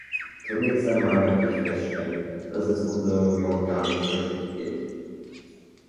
Zunächst einmal möchte ich feststellen, dass es unserer Union gar nicht so schlecht geht.